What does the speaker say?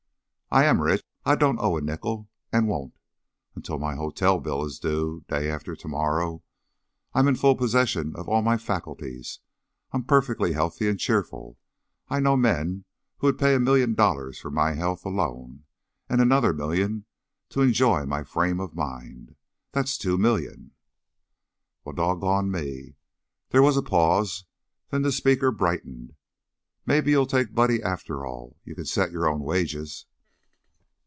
"I am rich. I don't owe a nickel, and won't, until my hotel bill is due, day after to morrow. I'm in full possession of all my faculties. I'm perfectly healthy and cheerful. I know men who would pay a million dollars for my health alone, and another million to enjoy my frame of mind. That's two million " "Well doggone me!" There was a pause, then the speaker brightened. "Mebbe you'll take Buddy, after all? You kin set your own wages."